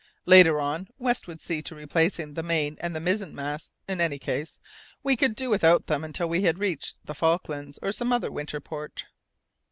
Later on, West would see to replacing the main and mizzen masts; in any case, we could do without them until we had reached the Falklands or some other winter port.